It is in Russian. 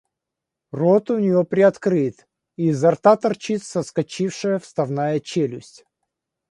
Рот у нее приоткрыт и изо рта торчит соскочившая вставная челюсть.